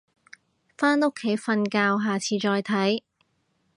返屋企瞓覺，下次再睇